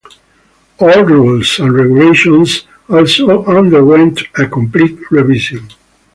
All rules and regulations also underwent a complete revision.